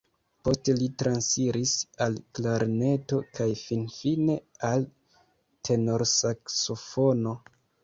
Poste li transiris al klarneto kaj finfine al tenorsaksofono.